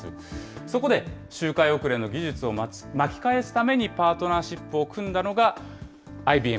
そこで周回遅れの技術を巻き返すために、パートナーシップを組んだのが、ＩＢＭ。